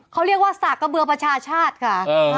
เขาเรียกว่าสากกระเบือประชาชาติค่ะ